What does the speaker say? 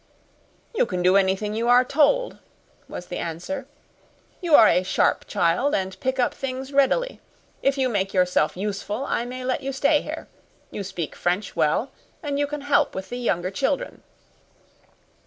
"You can do anything you are told," was the answer. "You are a sharp child, and pick up things readily. If you make yourself useful I may let you stay here. You speak French well, and you can help with the younger children."